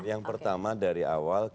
yang pertama dari awal